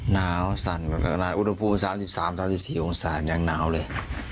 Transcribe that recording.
นาวสั่นอุทธพูด๓๓๓๔โศตรยังนาวเลย